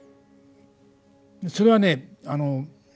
それはね